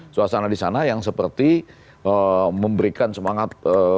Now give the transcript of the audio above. suasana di sana yang seperti memberikan semangat